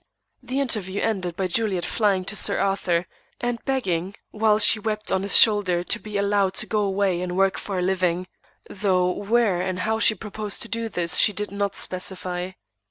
The interview ended by Juliet flying to Sir Arthur, and begging, while she wept on his shoulder, to be allowed to go away and work for her living; though where and how she proposed to do this she did not specify.